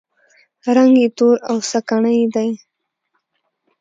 رنګ یې تور او سکڼۍ دی.